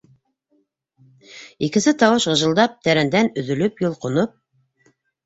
Икенсе тауыш ғыжылдап, тәрәндән өҙөлөп-йолҡоноп